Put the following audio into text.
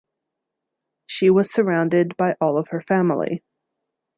She was surrounded by all of her family.